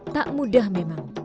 tak mudah memang